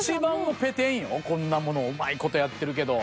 こんなものうまい事やってるけど。